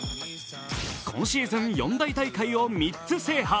今シーズン四大大会を３つ制覇。